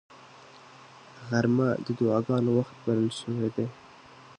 غرمه د دعاګانو وخت بلل شوی دی